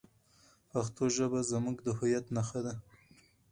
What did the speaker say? پښتو ژبه زموږ د هویت نښه ده.